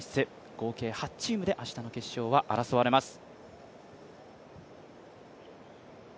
合計８チームで明日の決勝は争われます。